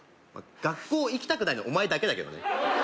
学校行きたくないのお前だけだけどね